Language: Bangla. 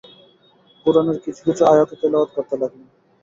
কুরআনের কিছু কিছু আয়াতও তিলাওয়াত করতে লাগলেন।